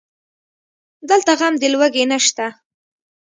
دلته غم د لوږې نشته